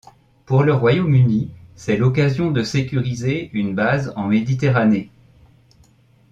Pour la Royaume-Uni, c'est l'occasion de sécuriser une base en Méditerranée.